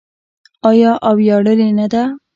آیا او ویاړلې نه ده؟